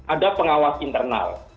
ada pengawas internal